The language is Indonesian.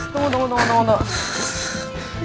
tunggu tunggu tunggu tunggu